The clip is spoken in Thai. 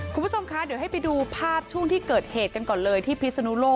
คุณผู้ชมคะเดี๋ยวให้ไปดูภาพช่วงที่เกิดเหตุกันก่อนเลยที่พิศนุโลก